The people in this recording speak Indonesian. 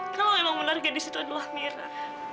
kalau emang benar gadis itu adalah mira